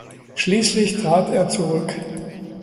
Schließlich trat er zurück.